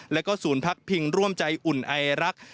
แล้วก็ศูนย์พักพิงร่วมใจอุ่นไอรัก